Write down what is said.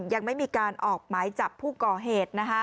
ยังไม่มีการออกหมายจับผู้ก่อเหตุ